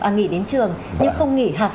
à nghỉ đến trường nhưng không nghỉ học